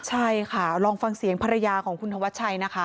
ใช่ค่ะลองฟังเสียงภรรยาของคุณธวัชชัยนะคะ